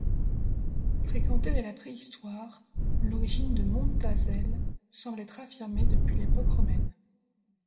Fréquenté dès la préhistoire, l'origine de Montazels semble être affirmée depuis l'époque romaine.